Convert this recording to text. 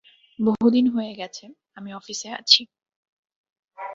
বহুদিন হয়ে গেছে, - আমি অফিসে আছি।